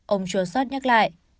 ông chua sót nhắc lại